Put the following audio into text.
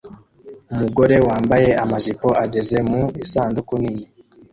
Umugore wambaye amajipo ageze mu isanduku nini